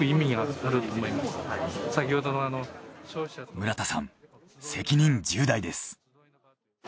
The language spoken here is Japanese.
村田さん責任重大です。